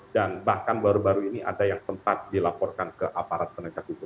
dan bahkan baru baru ini ada yang sempat dilaporkan ke aparat penegak itu